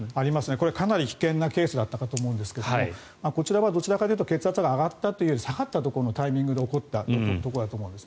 これはかなり危険なケースだったかと思うんですがこちらはどちらかというと血圧が上がったというより下がったところのタイミングで起こったことだと思うんです。